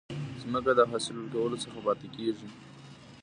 ځمکه د حاصل ورکولو څخه پاتي کیږي.